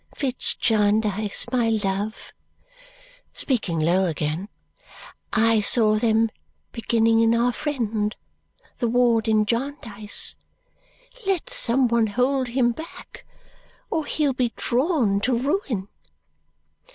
Fitz Jarndyce, my love," speaking low again, "I saw them beginning in our friend the ward in Jarndyce. Let some one hold him back. Or he'll be drawn to ruin."